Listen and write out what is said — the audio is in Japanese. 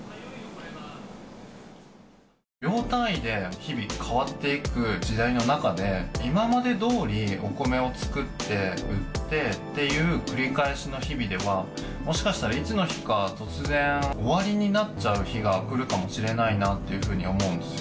「秒単位で日々変わっていく時代の中で今までどおりお米を作って売ってっていう繰り返しの日々ではもしかしたらいつの日か突然終わりになっちゃう日が来るかもしれないなっていうふうに思うんですよ」